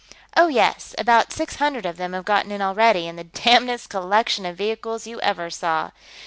"Oh, yes, about six hundred of them have gotten in already, in the damnedest collection of vehicles you ever saw.